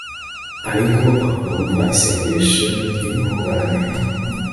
ariko akumva isengesho ry'intungane